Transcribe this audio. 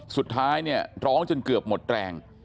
สุดท้ายร้องจนเกือบหมดแรง